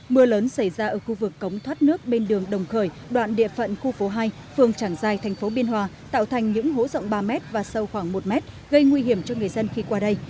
mưa lớn xảy ra ở khu vực cống thoát nước bên đường đồng khởi đoạn địa phận khu phố hai phường trảng giai thành phố biên hòa tạo thành những hố rộng ba m và sâu khoảng một mét gây nguy hiểm cho người dân khi qua đây